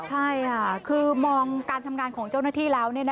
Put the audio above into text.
ใช่ค่ะคือมองการทำงานของเจ้าหน้าที่แล้ว